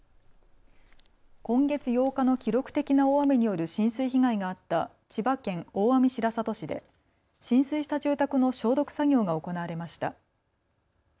今月８日の記録的な大雨による浸水被害があった千葉県大網白里市で浸水した住宅の消毒作業が行われました。